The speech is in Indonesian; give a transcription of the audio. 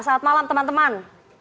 selamat malam teman teman